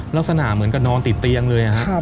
ลักษณะเหมือนกับนอนติดเตียงเลยครับ